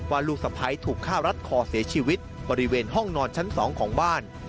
ลูกสะพ้ายถูกฆ่ารัดคอเสียชีวิตบริเวณห้องนอนชั้น๒ของบ้าน